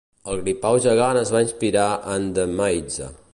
El gripau gegant es va inspirar en "The Maze".